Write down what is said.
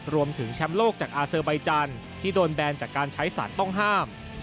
รวมถึงแชมป์โลกจากอาเซอร์ใบจันทร์ที่โดนแบนจากการใช้สารต้องห้าม